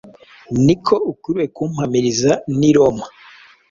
ni ko ukwiriye kumpamiriza n’i Roma’”